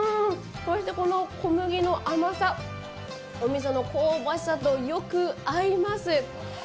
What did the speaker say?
そして、この小麦の甘さおみその香ばしさとよく合います。